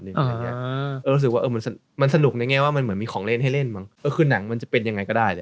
รู้สึกว่ามันสนุกในแง่ว่ามันเหมือนมีของเล่นให้เล่นมั้งเออคือหนังมันจะเป็นยังไงก็ได้